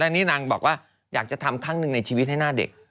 อันนี้นางบอกว่าอยากจะทำครั้งหนึ่งในชีวิตให้หน้าเด็ก